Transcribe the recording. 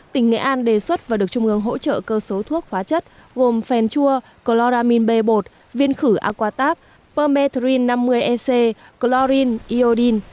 tỉnh nghệ an đề xuất và được trung ương hỗ trợ cơ số thuốc hóa chất gồm fenchua chloramine b một viên khử aquatab permethrin năm mươi ec chlorine iodine